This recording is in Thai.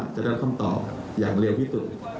จะได้คำตอบอย่างเร็วที่สุด